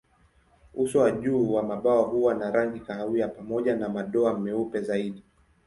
Uso wa juu wa mabawa huwa na rangi kahawia pamoja na madoa meupe zaidi.